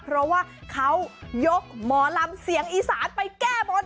เพราะว่าเขายกหมอลำเสียงอีสานไปแก้บน